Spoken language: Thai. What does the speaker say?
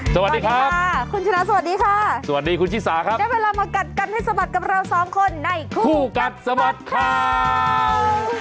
สวัสดีครับคุณชนะสวัสดีค่ะสวัสดีคุณชิสาครับได้เวลามากัดกันให้สะบัดกับเราสองคนในคู่กัดสะบัดข่าว